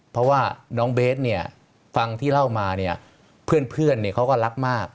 เพราะว่าน้องเบสเนี่ยฟังที่เล่ามาเนี่ยเพื่อนเขาก็รักมาก